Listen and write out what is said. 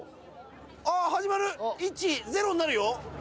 あっ始まる１０になるよ